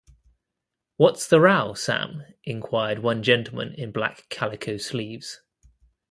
‘What’s the row, Sam?’ inquired one gentleman in black calico sleeves.